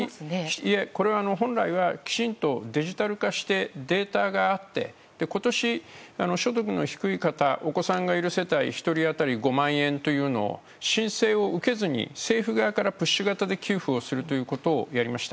いえ、これは本来はきちんとデジタル化してデータがあって今年、所得が低い方お子さんがいる世帯１人当たり５万円というのを申請を受けずに政府側からプッシュ型で給付をするということをやりました。